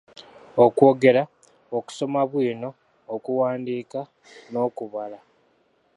Okwogera, Okusoma bwino , Okuwandiika, N’okubala.